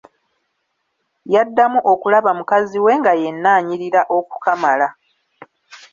Yaddamu okulaba mukazi we nga yenna anyirira okukamala.